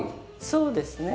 そうですね。